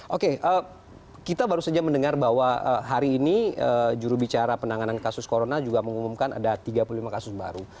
oke kita baru saja mendengar bahwa hari ini jurubicara penanganan kasus corona juga mengumumkan ada tiga puluh lima kasus baru